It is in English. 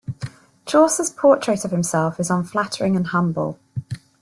Chaucer's portrait of himself is unflattering and humble.